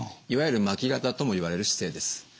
いわゆる巻き肩ともいわれる姿勢です。